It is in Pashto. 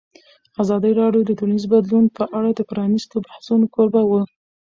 ازادي راډیو د ټولنیز بدلون په اړه د پرانیستو بحثونو کوربه وه.